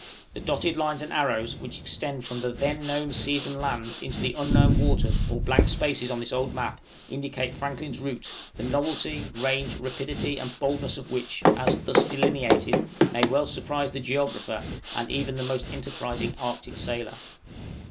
The dotted lines and arrows, which extend from the then known seas and lands into the unknown waters or blank spaces on this old map, indicate Franklin's route, the novelty, range, rapidity, and boldness of which, as thus delineated, may well surprise the geographer, and even the most enterprising Arctic sailor.